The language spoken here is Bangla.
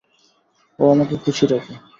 ও আমাকে খুশী রাখে!